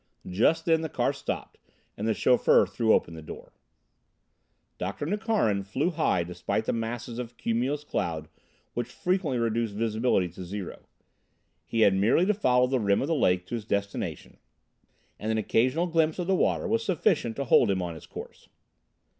Just then the car stopped and the chauffeur threw open the door. Dr. Nukharin flew high despite the masses of cumulus cloud which frequently reduced visibility to zero. He had merely to follow the rim of the lake to his destination, and an occasional glimpse of the water was sufficient to hold him on his course.